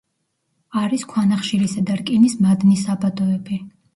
არის ქვანახშირისა და რკინის მადნის საბადოები.